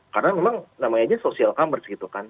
karena memang namanya aja social commerce gitu kan